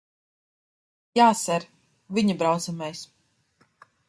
Jā, ser. Viņa braucamais.